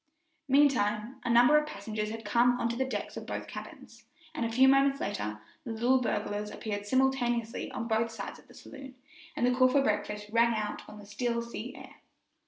Meantime, a number of passengers had come on to the decks of both cabins, and a few moments later the little buglers appeared simultaneously on both sides of the saloon, and the call for breakfast rang out on the still sea air.